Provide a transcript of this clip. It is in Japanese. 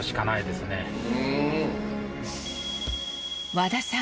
和田さん